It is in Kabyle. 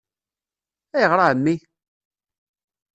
-Ayɣer a Ɛemmi?